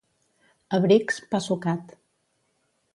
A Brics, pa sucat.